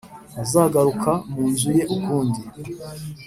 ntazagaruka mu nzu ye ukundi,